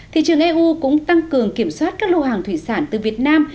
thị trường eu cũng tăng cường kiểm soát các lô hàng thủy sản từ việt nam